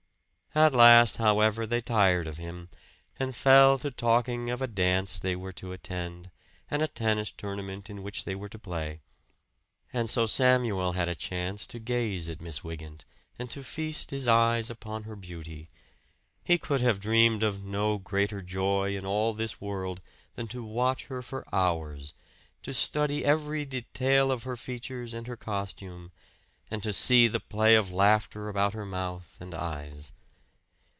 At last, however, they tired of him and fell to talking of a dance they were to attend and a tennis tournament in which they were to play. And so Samuel had a chance to gaze at Miss Wygant and to feast his eyes upon her beauty. He could have dreamed of no greater joy in all this world than to watch her for hours to study every detail of her features and her costume, and to see the play of laughter about her mouth and eyes.